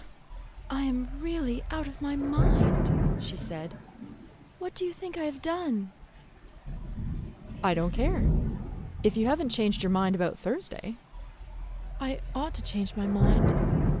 "I am really out of my mind," she said. "What do you think I have done?" "I don't care, if you have n't changed your mind about Thursday." "I ought to change my mind.